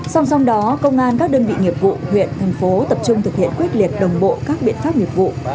song song đó công an các đơn vị nghiệp vụ huyện thành phố tập trung thực hiện quyết liệt đồng bộ các biện pháp nghiệp vụ